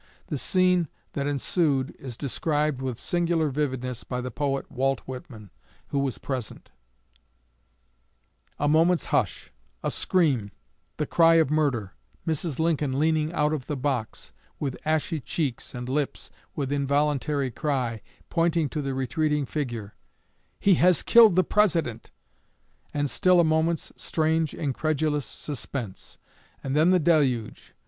The scene that ensued is described with singular vividness by the poet Walt Whitman, who was present: "A moment's hush a scream the cry of murder Mrs. Lincoln leaning out of the box, with ashy cheeks and lips, with involuntary cry, pointing to the retreating figure, 'He has killed the President!' And still a moment's strange, incredulous suspense and then the deluge!